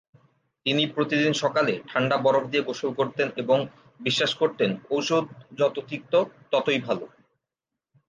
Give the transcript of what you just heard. তিনি প্রতিদিন সকালে ঠাণ্ডা-বরফ দিয়ে গোসল করতেন এবং বিশ্বাস করতেন "ঔষধ যত তিক্ত, ততই ভাল"।